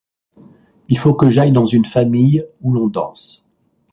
Il faut que j'aille dans une famille, où l'on danse.